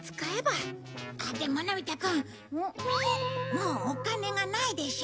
もうお金がないでしょ？